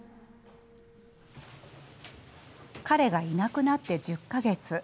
彼がいなくなって１０か月。